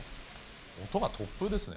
音が突風ですね。